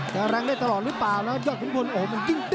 แรงได้ตลอดหรือเปล่าแล้วยอดขุนพลโอ้โหมันจริง